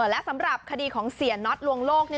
และสำหรับคดีของเสียน็อตลวงโลก